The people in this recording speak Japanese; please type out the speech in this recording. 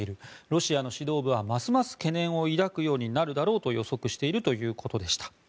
ロシアの指導部はますます懸念を抱くようになるだろうと予測しているということでした。